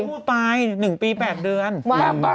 พูดไป๑ปี๘เดือนแบบบ้า